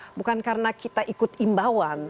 bukan karena kita ikut imbauan